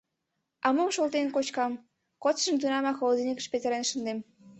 А мом шолтен кочкам, кодшыжым тунамак холодильникыш петырен шындем.